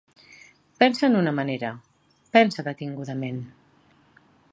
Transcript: Pensa en una manera... pensa detingudament.